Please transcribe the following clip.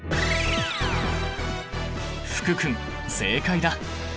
福君正解だ！